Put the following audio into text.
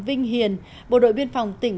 vinh hiền bộ đội biên phòng tỉnh